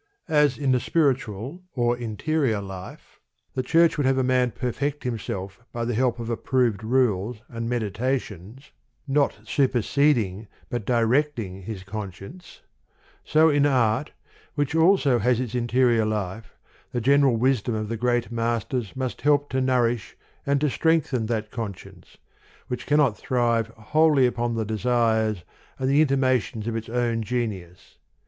As in the spiritual or interior life, the Church would have a man perfect himself by the help of approved rules and meditations, not super THE POEMS OF MR. BRIDGES. seding, but directing, his conscience : so in art, which also has its interior life, the gen eral wisdom of the great masters must help to nourish and to strengthen that conscience, which cannot thrive wholly upon the de sires and the intimations of its own genius.